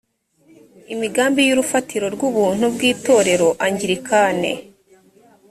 imigambi y urufatiro rw ubumwe bw itorero anglikane